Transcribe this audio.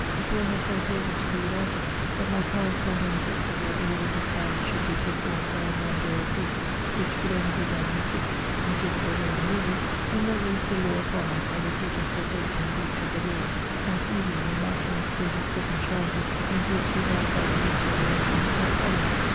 We thought ourselves able to do without him, but my pious mother insisted that the religious marriage should be performed by a "non juror" priest, which could only be done in secret. M. de Vauvert knew this, and let loose the law upon us, under pretext of rape and breach of the laws, and pleading the imaginary state of second childhood into which the grandfather, M. de Lavigne, had fallen.